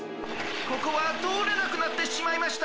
ここはとおれなくなってしまいました。